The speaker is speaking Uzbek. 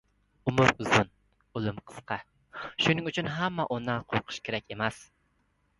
Umr uzun, o‘lim qisqa, shuning uchun ham undan qo‘rqish kerak emas.